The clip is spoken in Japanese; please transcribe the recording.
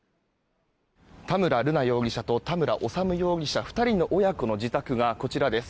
田村瑠奈容疑者と田村修容疑者の２人の親子の自宅がこちらです。